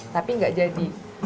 tapi gak jadi